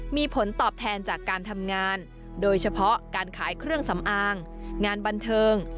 มีผลตอบแทนจากการทำงานโดยเฉพาะการขายเครื่องสำอางงานบันเทิง